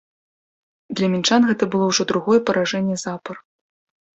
Для мінчан гэта было ўжо другое паражэнне запар.